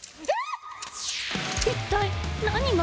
一体何が？